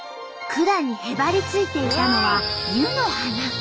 管にへばりついていたのは湯の花。